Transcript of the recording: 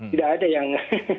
tidak ada yang